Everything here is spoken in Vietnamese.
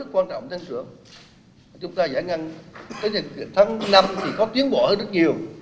quan trọng tăng trưởng chúng ta giải ngân tới tháng năm thì có tiến bộ rất nhiều